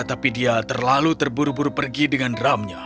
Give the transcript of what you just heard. tapi dia terlalu terburu buru pergi dengan drumnya